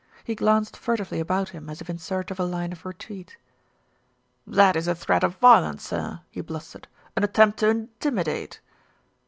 He glanced furtively about him, as if in search of a line of retreat. "That is a threat of violence, sir," he blustered, "an attempt to intimidate."